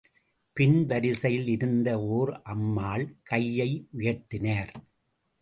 பின் வரிசையில் இருந்த ஓர் அம்மாள் கையை உயர்த்தினார்.